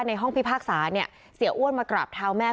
ห้องพิพากษาเนี่ยเสียอ้วนมากราบเท้าแม่